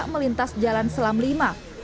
melintas jalan selam v